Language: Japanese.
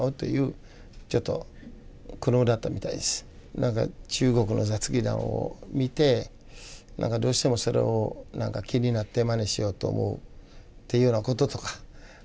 なんか中国の雑技団を見てどうしてもそれを気になってまねしようと思うというようなこととか。